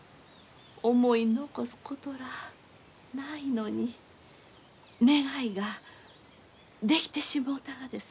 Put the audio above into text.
思い残すことらあないのに願いができてしもうたがです。